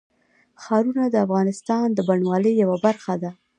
ښارونه د افغانستان د بڼوالۍ یوه برخه ده.